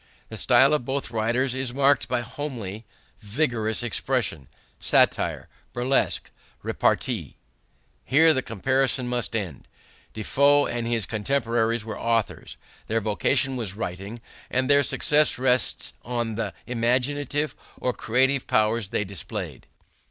The style of both writers is marked by homely, vigorous expression, satire, burlesque, repartee. Here the comparison must end. Defoe and his contemporaries were authors. Their vocation was writing and their success rests on the imaginative or creative power they displayed.